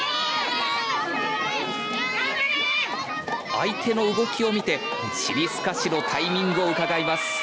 相手の動きを見て尻すかしのタイミングをうかがいます。